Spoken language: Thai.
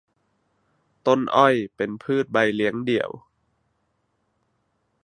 ต้นอ้อยเป็นพืชใบเลี้ยงเดี่ยว